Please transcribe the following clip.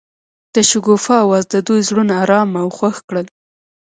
د شګوفه اواز د دوی زړونه ارامه او خوښ کړل.